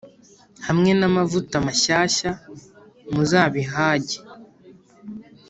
hamwe n’amavuta mashyashya, muzabihage;